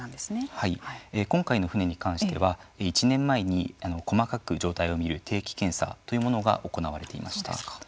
今回の船に関しては１年前に細かく状態を見る定期検査というものが行われていました。